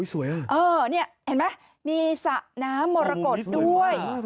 สวยอ่ะโอ้นี่เห็นไหมมีสระน้ำมรกฏด้วย